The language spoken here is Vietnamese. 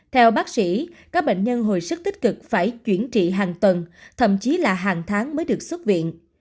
theo bác sĩ các bệnh nhân hồi sức tích cực phải chuyển trị hàng tuần thậm chí là hàng tháng mới được xuất viện